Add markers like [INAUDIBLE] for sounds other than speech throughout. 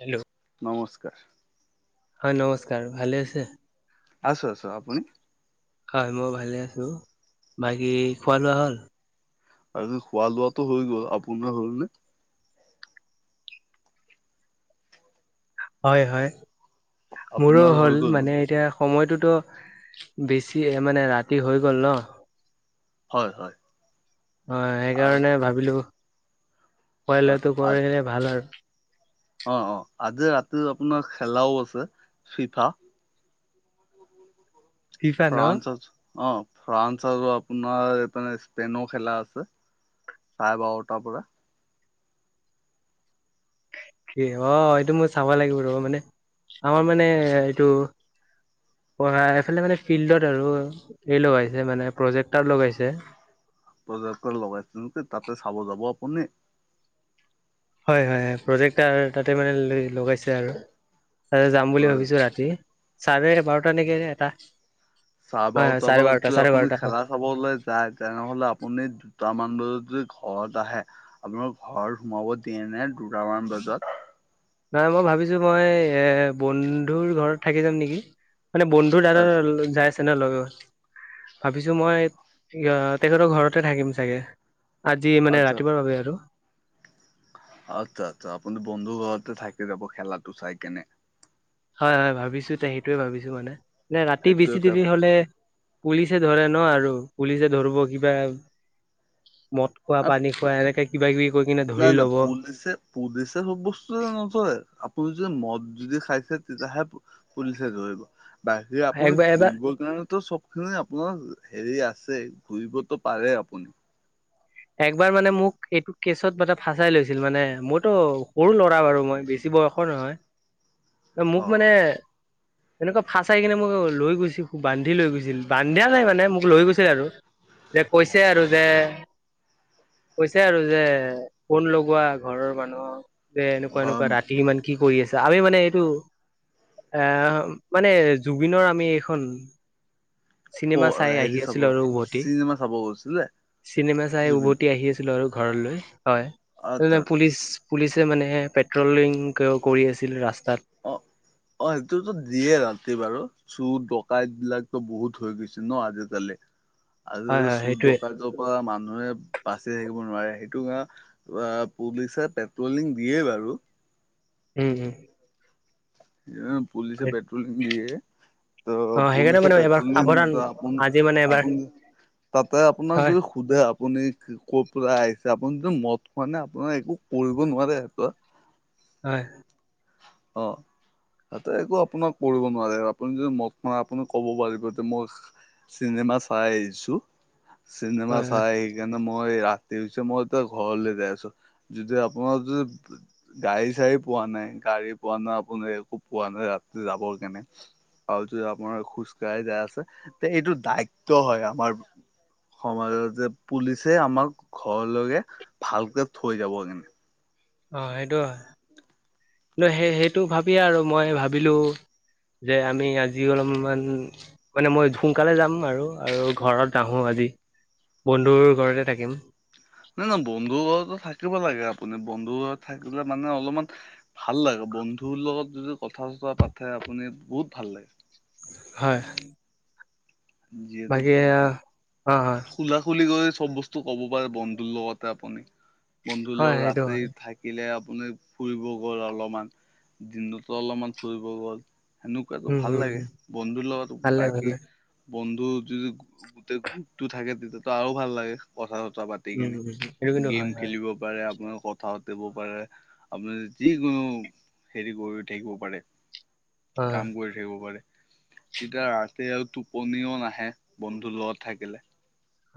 Hello নমস্কাৰ হয় নমস্কাৰ ভালে আছে আছো আছো আপুনি হয় মই ভালে আছো, বাকী খোৱা লোৱা হ'ল আজি খোৱা লোৱাটো হৈ গ'ল আপোনাৰ হল নে হয় হয় মোৰো আপোনাৰ হৈ হ'ল গ'ল মানে নেকি এতিয়া সময়টোত বেছি মানে ৰাতি হৈ গ'ল ন হয় হয় অ হয় সেইকাৰণে ভাবিলো পোৱাই হয় লোৱাটো কৰিলে ভাল আৰু অ অ আজি ৰাতি আপোনাৰ খেলাও আছে ফিফা ফিফা ন ফ্ৰান্সত অ ফ্ৰান্স আৰু আপোনাৰে স্পেইনৰ খেলা আছে। চাৰে বাৰটাৰ পৰা, কি অ, এইটো মোৰ চাব লাগিব ৰ মানে আমাৰ মানে এইটো অ, এফালে মানে ফিল্ডত আৰু এই লগাইছে মানে প্ৰজেক্টৰ লগাইছে। প্ৰজেক্টৰ লগাইছে ন' তাতে চাব যাব আপুনি। হয়-হয়, প্ৰজেক্ট তাতে মানে লগাইছে আৰু। তাকে যাম বুলি ভাবিছো ৰাতি, চাৰে বাৰটা নেকি এটা। চাৰে হয় হয় বাৰটা চাৰে পা যদি চাৰে আপুনি বাৰটা হয় খেলা চাবলৈ যায়। তেনেহলে আপুনি দুটামান বজাত যদি ঘৰত আহে, আপোনোক ঘৰ সোমাব দিয়ে নে দুটামান বাজাত। নহয় মই ভাবিছো মই এ বন্ধুৰ ঘৰত থাকি যাম নেকি? মানে বন্ধু দাদা যাই চনে ভাবিছো মই তেখেতৰ ঘৰতে থাকিম চাগে। আজি মানে ৰাতিপুৱাৰ বাবে আৰু। আচ্ছা-আচ্ছা, আপুনি বন্ধু ঘৰতে থাকি যাব খেলাটো চাই কেনে, হয়-হয়, ভাবিছো সেইটোৱে ভাবিছো মানে, এ ৰাতি বেছি সেইটোকে দেৰি ভাল হলে পুলিচে ধৰে ন আৰু পুলিচে ধৰিব কিবা, মত খোৱা পানী খোৱা এনেকে কিবা কিবি কৰি কিনে নাই নাই ধৰি না, লব। পুলিচে পুলিচে চব বস্তু নধৰে, আপুনি যদি মদ যদি খাইছে তেতিয়াহে পুলিচে ধৰিব বাহিৰে আপুনি একবাৰ এবাৰ ঘুৰিবৰ কাৰণো চ, আপোনাৰ হেৰি আছে ঘূৰিবতো পাৰে আপুনি। একবাৰ মানে মোক এইটো কেচত মানে ফাচাই লৈছিল মানে, মইতো সৰু ল'ৰা বাৰু মই বেছি বয়স ৰ নহয়। [INAUDIBLE] মোক মানে [INAUDIBLE] তেনেকুৱা ফাচ আহাই কিনে মোক লৈ গৈছিল বান্ধি লৈ গৈছিল, বান্ধিয়া নাই মানে মোক লৈ গৈছিল আৰু। যে কৈছে আৰু যে কৈছে আৰু যে ফোন লগোৱা ঘৰৰ মানুহক যে ঘৰ এনেকুৱা-এনেকুৱা, ৰাতি ইমান কি কৰি আছা? আমি মানে এইটো এ মানে জুবিনৰ আমি এইখন চিনেমা প- চাই আহি হেৰি চাব আছিলো আৰু উভতি চিনেমা চাব গৈছিলে চিনেমা চাই জুবিন উভতি আহি আছিলোঁ। আৰু ঘৰলৈ হয়, আচ্ছা আচ্ছা পুলিচ পুলিচে মানে পেট্ৰলিং কৰি আছিল ৰাস্তাত। অ, অ, সেইটোতো দিয়ে ৰাতি বাৰু। চুৰ ডকাইত বিলাকো বহুত হৈ গৈছে ন, আজিকালি আজি হয় কালি হয় চুৰ সেইটোয়ে ডকা পৰা মানুহে বাচি থাকিব নোৱাৰে, সেইটো কাৰ অ, পুলিচে পেট্ৰলিং দিয়ে বাৰু। উম, উম, পুলিচে পেট্ৰলিং দিয়ে। ত অ সেইকাৰণে পুলিচ মানে এবাৰ পেট্ৰলিং সাৱধান আপোনা আজি মানে এবাৰ আপুনি, তাতে আপোনাক হয় যদি সোধে আপুনি ক'ৰ পৰা আহিছে আপুনি যটো মদ খোৱা নাই, আপোনাৰ একো কৰিব নোৱাৰে সেইটো। হয়। অ', তাতে একো আপোনাক কৰিব নোৱাৰে আপুনি যদি মদ খোৱা নাই। আপুনি ক'ব পাৰিব, যে মই চিনেমা চাই আহিছো, চিনেমা হয় হয় চাই সেইকাৰণে মই ৰাতি হৈছে মই ত ঘৰলৈ যাই আছো, যদি আপোনাৰ যদি গাড়ী চাড়ী পোৱা নাই গাড়ী পোৱা নাই আপোনাৰ একো পোৱা নাই ৰাতি যাবৰ কাৰণে। আৰু যদি আপোনাৰ খোজকাঢ়ি যায় আছে, তে এইটো দায়িত্ব হয়। আমাৰ সমাজত যে পুলিচে আমাক ঘৰলৈকে ভালকে থৈ যাব কেনে। অ, সেইটো হয় কিন্তু সেই সেইটো ভাবিয়ে আৰু মই ভাবিলো। যে আমি আজিও অলপমান মানে মই সোনকালে যাম আৰু আৰু ঘৰত নাহোঁ আজি বন্ধুৰ ঘৰতে থাকিম। নাই নাই বন্ধু ঘৰত থাকিব লাগে আপুনি বন্ধু ঘৰত থাকিলে মানে অলপমান ভাল লাগে বন্ধুৰ লগত যদি কথা চথা পাতে আপুনি বহুত ভাল লাগে। হয়। যিহেতু বাকী অ হয় খোলা খোলিকৈ চব বস্তু স্তু ক'ব পাৰে বন্ধুৰ লগতে আপুনি বন্ধুৰ হয় লগত সেইটো ৰাতি হয় থাক থাকিলে আপুনি ফুৰিব গ'ল অলপমান দিনটোতো অলপমান ফুৰিব গ'ল। সেনেকুৱাটো উম ভাল হম লাগে হম বন্ধুৰ লগত ভালে ভালে বাকী বন্ধুৰ যদি গোটেই গ্ৰুপটো থাকে তেতিয়াতো আৰু ভাল লাগে কথা চথা পাত পাতি উম কেনে, উম সেইটো কিন্তু হয় গেম হয় খেলিব পাৰে আপোনাৰ লগত কথা পাতিবও পাৰে। আপুনি যিকোনো হেৰী কৰি থাকিবও পাৰে। হয় কাম কৰি থাকিব পাৰে। তেতিয়া ৰাতি আৰু টো টোপনিও নাহে বন্ধুৰ লগত থাকিলে।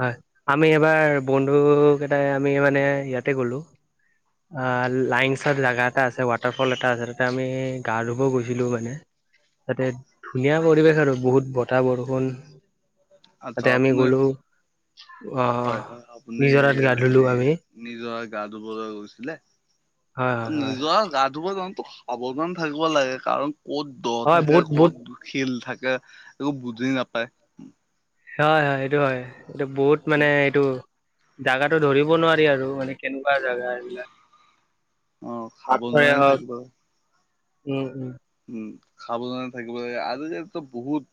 হয় আমি এবাৰ বন্ধু কেইটাই আমি মানে ইয়াতে গ'লো। আ লাইন চত জেগা এটা আছে ৱাটাৰফল এটা আছে তাতে আমি গা ধুব গৈছিলো মানে তাতে ধুনীয়া পৰিৱেশ আৰু বহুত বতাহ, বৰষুণ আচ্ছা তাতে আমি আপুনি গ'লো অহ নিজৰাত গা ধুলো আমি। নিজৰাত গা ধুবলৈ গৈছিলে, হয় হয় হয় নিজৰাত গা ধুব যাওঁতো সাৱধান থাকিব লাগে কাৰণ ক'ত দ' হয় থাকে, বহুত বহুত ক'ত শিল থাকে, একো বুজি নাপায়। হয় হয় সেইটো হয় এইটো বহুত মানে এইটো জাগাটো ধৰিব নোৱাৰি আৰু মানে কেনেকুৱা জাগা এইবিলাক। অ পাথৰে সাৱধানে হওঁক থাকিব লাগে। উম উম। উম সাৱধানে থাকিব লাগে আজিকালিটো বহুত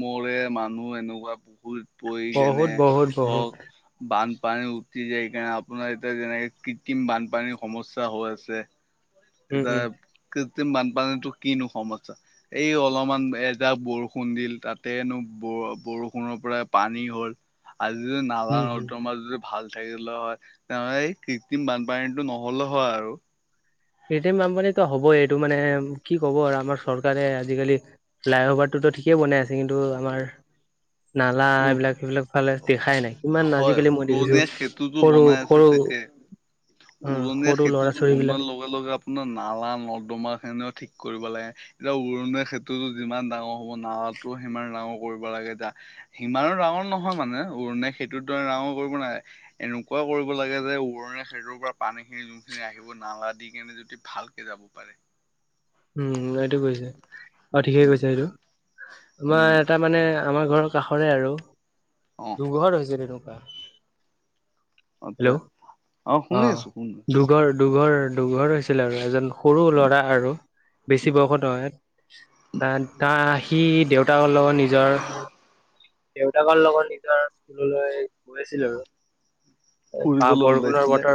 মৰে মানুহ এনেকুৱা বহুত পৰি কেনে বহুত বহুত বহুত হওঁক বানপানীত উটি যায় সেইকাৰণে আপোনাৰ এতিয়া যেনেকে কৃত্ৰিম বানপানীৰ সমস্যা হৈ আছে। উম উম এতিয়া কৃত্ৰিম বানপানীটো কিনো সমস্যা এই অলপমান এজাক বৰষুণ দিল তাতেনো বৰ বৰষুণৰ পৰাই পানী হ'ল। আজি যদি নালা উম হম নৰ্দমা যদি ভাল থাকিলে হয়, তেনেহলে এই কৃত্ৰিম বানপানীটো নহ'লে হয় আৰু। কৃত্ৰিম বানপানীটো হ'বই এইটো মানে কি ক'ব আৰু আমাৰ চৰকাৰে আজিকালি ফ্লাই অ'ভাৰটোতো ঠিকেই বনাই আছে। কিন্তু আমাৰ নালা উৰ এইবিলাক সেইবিলাক ফালে দেখাই নাই, কিমান হয় আজিকালি মই দেখিছোঁ উৰণীয়া সেতুটো সৰু বনাই সৰু আছে ঠিকে অ উৰণীয়া সৰু ল'ৰা সেঁতুটো ছোৱালী বিলাক বনোৱাৰ লগে লগে লগে আপোনাৰ নালা নৰ্দমাখিনিও ঠিক কৰিব লাগে। এতিয়া উৰণীয়া সেঁতুটো যিমান ডাঙৰ হ'ব নালাটো সিমান ডাঙৰ কৰিব লাগে এতিয়া সিমানো ডাঙৰ নহয় মানে উৰণীয়া সেঁতুটোৰ দৰে ডাঙৰ কৰিব নালাগে। এনেকুৱা কৰিব লাগে যে উৰণীয়া সেঁতুৰ পৰা পানীখিনি যোনখিনি আহিব নালা দি কেনে যদি ভালকে যাব পাৰে। উম এইটো কৈছে অঁ ঠিকেই উম, কৈছে এইটো, উম, তোমাৰ এটা মানে আমাৰ ঘৰৰ কাষৰে আৰু অঁ। কিহত হৈছে তেনেকুৱা, অ', তে হেল্ল' অ শুনি আছো শুনি আছো। দু দুঘৰ দুঘৰ দুঘৰ হৈছিল আৰু এজন সৰু ল'ৰা আৰু বেছি বয়সৰ নহয়। এহ তাৰ সি দেউতাকৰ লগত নিজৰ দেউতাকৰ লগত নিজৰ স্কুললৈ গৈ আছিল আৰু। এ বা ফুৰিবলৈ বৰষুণৰ ওলাইছিলে বতৰ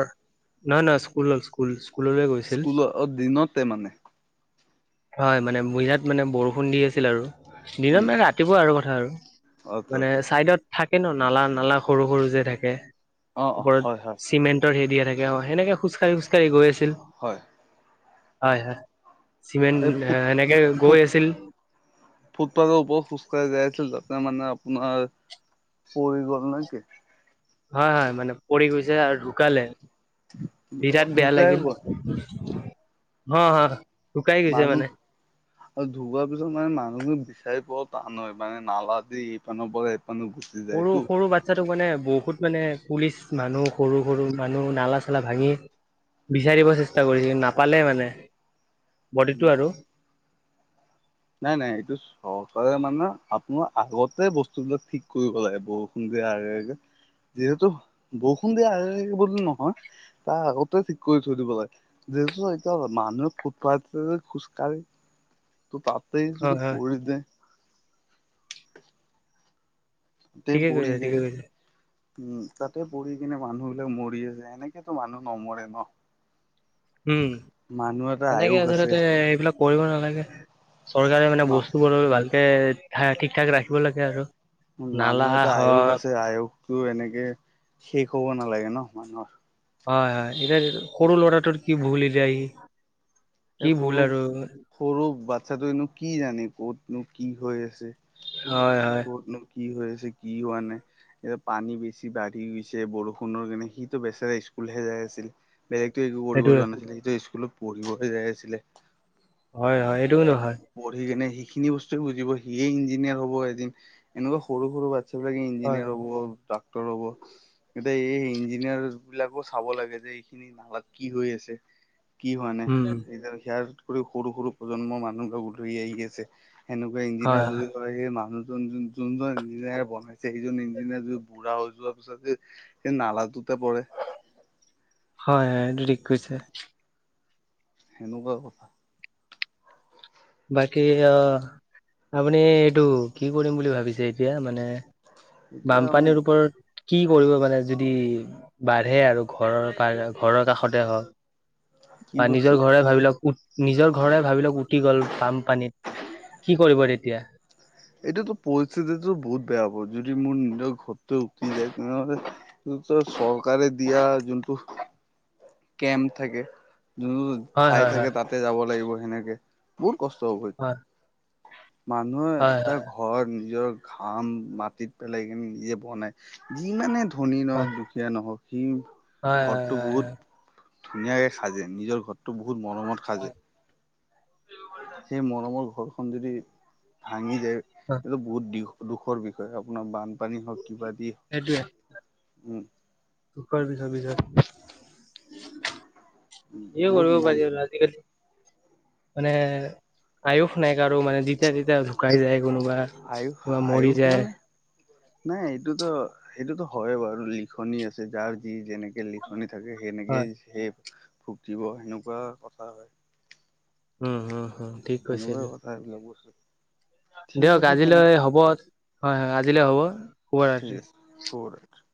নহয় নহয় স্কুলৰ স্কুল স্কুল স্কুললৈ গৈছিল। স্কুলৰ অ', দিনতে মানে হয়, মানে বিৰাট মানে বৰষুণ দি আছিল আৰু। দিনত উম, মানে ৰা ৰাতিপুৱা আৰু কথা আৰু। অ', মানে অ', অ', চাইডত থাকে ন নালা-নালা সৰু-সৰু যে থাকে, অ ওপৰত হয়, হয়, চিমেণ্ট তৰ হেৰি দিয়া থাকে অ', সেনেকে খোজ কাঢ়ি খোজ কাঢ়ি গৈ আছিল। হয়। হয়, হয়, চিমেণ্ট এই ফুট সেনেকে গৈ ফুট আছিল। ফুটপাথৰ ওপৰত খোজাঢ়ি যাই আছিল, তাতে মানে আপোনাৰ পৰি গ'ল নেকি? হয়, হয় মানে পৰি গৈছে আৰু ঢুকালে। বিৰাট বেয়া ঢুকাই লাগিল। গ'ল হ-হ। মানু্হ আৰু ঢুকোৱাৰ পিছত মানে মানুহটো বিচাৰি পোৱা টান হয় মানে নালা দি এই পানৰ পৰা সেই পান গো সৰু-সৰু বা বাচ্ছাটোক মানে বহুত মানে পুলিচ মানুহ সৰু-সৰু মানুহ নালা চালা ভাঙি বিচাৰিব চেষ্টা কৰিছে কিন্তু নাপালে মানে বডিটো আৰু। নাই-নাই এইটো চৰকাৰে মানে আপোনাৰ আগতে বস্তুবিলাক ঠিক কৰিব লাগে, বৰষুণ দিয়াৰ আগে-আগে। যিহেতু বৰষুণ দিয়া আগে বুলি নহয়। ত আগতে ঠিক কৰি থৈ দিব লাগে, যিহেতু এতি মানুহে ফুটপাতে খোজকাঢ়ি ত' তাতেই হয় যদি হয় পৰি যে তাতে ঠিকে প়িৰি কৈছে যে। ঠিকে [UNINTELLIGIBLE] কৈছে উম, তাতে পৰি কিনে মানুহ বিলাক মৰিয়ে যায়, এনেকেতো মানুহ নমৰে ন। উম। মানুহ এটা এনেকে আয়ুস আছে আচলতে এইবিলাক কৰিব নালাগে, চৰকাৰে মানে ন। বস্তুবোৰ ভাল এ ঠা ঠিক ঠাক ৰাখিব লাগে আৰু। মানুহ নালা এটা আয়োস হয় আছে, আয়োসটো এনেকে শেষ হ'ব নালাগে ন মানুহৰ? হয়, হয়, এতিয়া সৰু ল'ৰাটোৰ কি ভুল? এতিয়া আহি এই সৰু-সৰু বাচ্ছটোনো কি জানে কতনো কি হৈ আছে? হয়, হয়। ক'তনো কি হৈ আছে কি হোৱা নাই। এতিয়া পানী বেছি বাঢ়ি গৈছে বৰষুণৰ কাৰণে সিটো বেচেৰা স্কুলহে যায়ই আছিল। বেলেগতটো একো কৰিব সেইটোৱে যোৱা নাছিলে সিটো স্কুলত পঢ়িবহে যাই আছিলে। হয়, হয় এইটো কিন্তু হয়। পঢ়ি কেনে সিখিনি বস্তুৱয়ে বুজিব সিয়ে ইঞ্জিনিয়াৰ হব এদিন এনেকুৱা সৰু-সৰু বা সবিলাক হয়। হয়। ইঞ্জিনিয়াৰ হ'ব, ডাক্তৰ হ'ব। এতিয়া এই ইঞ্জিনিয়াৰ বিলাকো চাব লাগে যে এইখিনি নালাত কি হৈ আছে। কি হোৱা নে, উম, সেয়াৰ কৰি সৰু-সৰু প্ৰজন্মৰ মানুহ লগ ধৰি আহি আছে। সেনেকুৱা হয়, হয়, হয়। ইঞ্জিনিয়াৰ সেই মানুহজন যোনজন ইঞ্জিনিয়াৰ বনাইছে সেইজন ইঞ্জিনিয়াৰ বুঢ়া হৈ যোৱাৰ পিছত যে সেই নালাটোতে পৰে। হয়, হয়, এইটো ঠিক কৈছে। সেনেকুৱা কথা। বাকী অ, আপুনি এইটো কি কৰিম বুলি ভাবিছে এতিয়া? মানে [UNINTELLIGIBLE] বানপানীৰ ওপৰত কি কৰিব মানে যদি বাঢ়ে আৰু ঘৰৰ প ঘৰৰ কাষতে হওঁক কি বা বস্তু নিজৰ ঘৰে ভাবিলৌক কত নিজৰ ঘৰে ভাবি লওঁক উটি গ'ল বান, পানীত কি কৰিব তেতিয়া? এইটোটো পৰিস্থিতিো বহুত বেয়া হব, যদি মোৰ নিজৰ ঘৰতে উকি যায় তেনেহ'লে চৰকাৰে দিয়া যোনটো কেম্প থাকে, যো হয়, ঠাই হয়, থাকে হয়। তাতে যাব লাগিব সেনেকে, বহুত কষ্ট হ'ব। এতিয়া হয়। মানুহে হয়, এটা হয়, ঘৰ নিজৰ ঘাম মাটিত পেলাই কিনি নিজে বনাই, যিমানে ধনি হয়, নহওক দুখীয়া নহওক, সি হয়, হয়, ঘৰটো হয়, বহুত ধুনীয়াকে খাজে, নিজৰ ঘৰতটো বহুত মৰমত খাজে। সেই মৰমৰ ঘৰখন যদি ভাঙি যায়, হয়। তেটো বহুত দিওখ দুখৰ বিষয়ে আপোনাৰ বানপানী হওক কিবা দি হওক, সেইটোৱে। উম। দুখৰ বিষয়, [UNINTELLIGIBLE] সে বহুত কৰিব [UNINTELLIGIBLE] মন পাৰি [UNINTELLIGIBLE] মানে আহওষ নাই কাৰাৰো মানে জীতে তিতয়া শুকাই যায় কোনোবা, আয়ুস কোনবা মৰি আয়ুস যায়। মানে নাই এইটোতো, সটোতো হয় বাৰু লিখনি আছে, যাৰ যি যেনেকে আচনি থাকে হয় সেনেকেই সেই ভুক্ত দিব, সেনেকুৱা কথা হয়। উম, উম। সেনেকুৱাই কথা এবিলাক বচতো। দিয়ক আজিলৈ হ'ব, হয়-হয়, আজিলৈ হ'ব। ঠিক শুভৰাত্ৰি আছে, হব [UNINTELLIGIBLE]